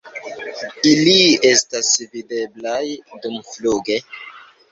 Ili estas videblaj dumfluge.